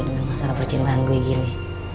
dengan masalah percintaan gue gini